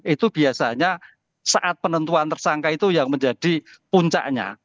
itu biasanya saat penentuan tersangka itu yang menjadi puncaknya